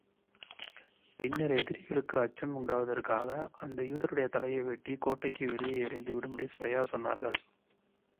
பின்னர் எதிரிகளுக்கு அச்சம் உண்டாவதற்காக, அந்த யூதருடைய தலையை வெட்டி, கோட்டைக்கு வெளியே எறிந்து விடும்படி ஸபிய்யா சொன்னார்கள்.